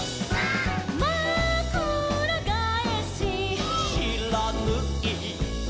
「まくらがえし」「」「しらぬい」「」